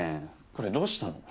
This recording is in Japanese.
これどうしたの？